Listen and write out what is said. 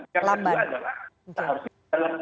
karena itu adalah